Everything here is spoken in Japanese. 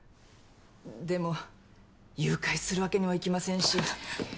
でも誘拐するわけにもいきませんし。